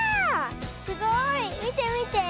すごい。みてみて。